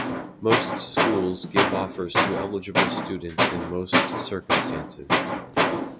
Most schools give offers to eligible students in most circumstances.